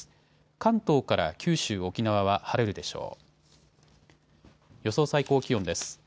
関東から九州、沖縄は晴れるでしょう。